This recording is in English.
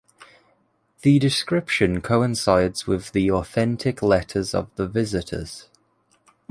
The description coincides with the authentic letters of the visitors.